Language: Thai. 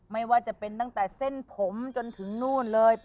ไม่ว่าจะเป็นตั้งแต่เส้นผมจนถึงนู่นเลย